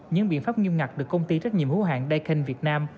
những biện pháp nghiêm ngặt được công ty trách nhiệm hữu hạng daken việt nam